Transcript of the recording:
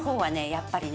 やっぱりね